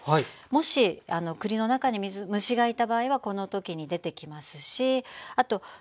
もし栗の中に虫がいた場合はこの時に出てきますしあと先にね